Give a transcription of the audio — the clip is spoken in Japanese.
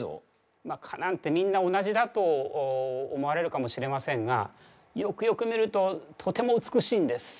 ま蚊なんてみんな同じだと思われるかもしれませんがよくよく見るととても美しいんです。